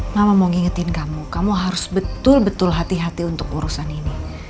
mama mau ngingetin kamu kamu harus betul betul hati hati untuk urusan ini